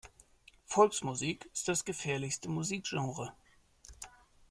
Volksmusik ist das gefährlichste Musikgenre.